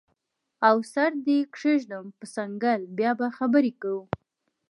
او سر دې کیږدم په څنګل بیا به خبرې کوو